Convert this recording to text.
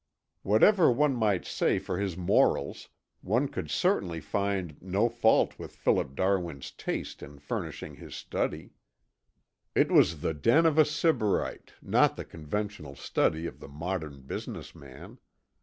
Whatever one might say for his morals, one could certainly find no fault with Philip Darwin's taste in furnishing his study. It was the den of a sybarite, not the conventional study of the modern business man.